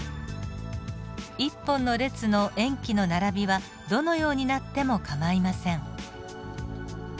１本の列の塩基の並びはどのようになっても構いません。